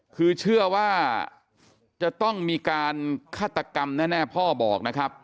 คือเชื่อว่าจะต้องมีการฆาตกรรมแน่พ่อบอกนะครับ